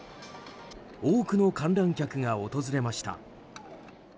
多くの観覧客が訪れました。